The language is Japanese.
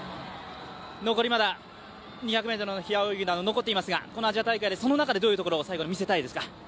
残りまだ２００ｍの平泳ぎなど残っていますがその中で、どういうところを最後に見せたいですか？